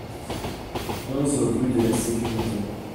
onze rue de la Sécurité